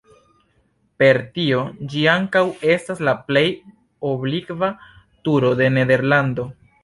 Per tio ĝi ankaŭ estas la plej oblikva turo de Nederlando.